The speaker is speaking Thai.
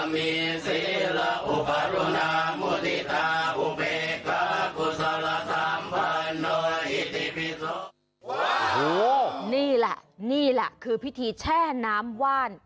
นี่แหละนี่แหละคือพิธีแช่น้ำว่าน